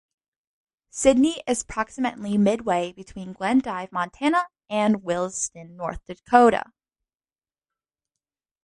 Sidney is approximately midway between Glendive, Montana and Williston, North Dakota.